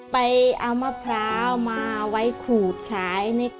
ไปเอามะพร้าวมาไว้ขูดขาย